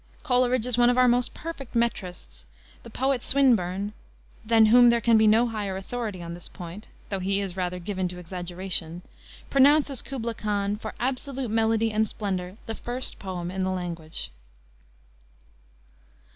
Coleridge is one of our most perfect metrists. The poet Swinburne than whom there can be no higher authority on this point (though he is rather given to exaggeration) pronounces Kubla Khan, "for absolute melody and splendor, the first poem in the language."